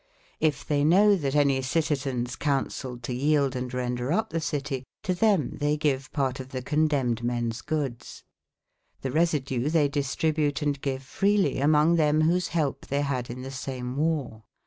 If tbey knowe tbatan nye cytezeins counselled to yealdc and rendre up tbe citie, to tbem tbey gyve parte of tbe condemned mens goods* Tbe resydewe tbey distribute and give frelye amonge tbem wbose belpe tbey bad in tbe same warre.